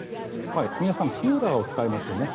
皆さんクーラーを使いますよね。